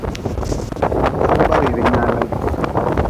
Fogba rili nyaalm.